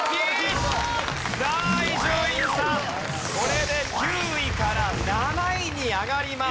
これで９位から７位に上がります。